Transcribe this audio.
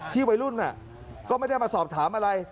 วัยรุ่นก็ไม่ได้มาสอบถามอะไร